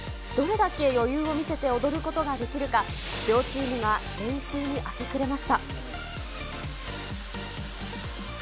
どれだけ余裕を見せて踊ることができるか、両チームが練習に明け暮れました。